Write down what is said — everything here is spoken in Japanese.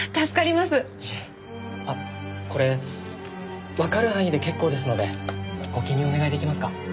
いえあっこれわかる範囲で結構ですのでご記入お願いできますか？